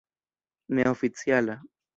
neoficiala